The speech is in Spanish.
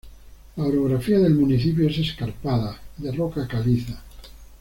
La orografía del municipio es escarpada, de roca caliza.